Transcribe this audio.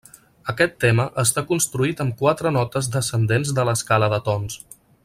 Aquest tema està construït amb quatre notes descendents de l'escala de tons.